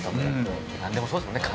なんでもそうですもんね。